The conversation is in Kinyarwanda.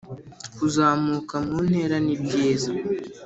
kuzamuka mu ntera ni byiza